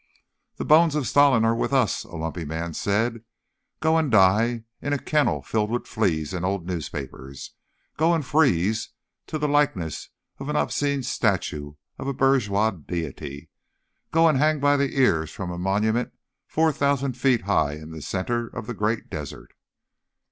"The bones of Stalin are with us!" a lumpy man said. "Go and die in a kennel filled with fleas and old newspaper! Go and freeze to the likeness of an obscene statue of a bourgeois deity! Go and hang by the ears from a monument four thousand feet high in the center of the great desert!"